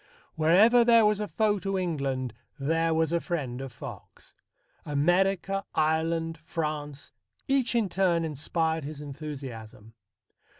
Wherever there was a foe to England, there was a friend of Fox. America, Ireland, France, each in turn inspired his enthusiasm.